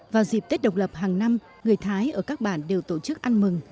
vào dịp tết độc lập hàng năm người thái ở các bản đều tổ chức ăn mừng